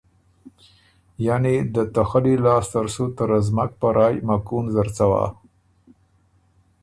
یعنی دته خلی لاسته ر سُو ته رزمک په رایٛ مکُون زر څوا